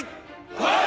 はい！